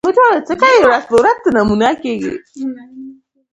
بله بېلګه د کار ځای په اړه ده.